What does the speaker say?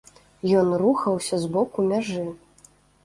Ён рухаўся з боку мяжы.